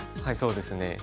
はいそうですね。